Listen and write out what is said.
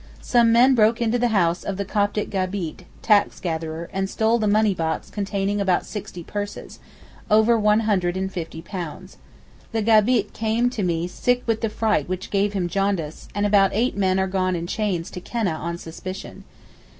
Some men broke into the house of the Coptic gabit (tax gatherer) and stole the money box containing about sixty purses—over £150. The gabit came to me sick with the fright which gave him jaundice, and about eight men are gone in chains to Keneh on suspicion.